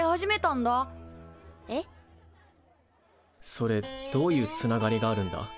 それどういうつながりがあるんだ？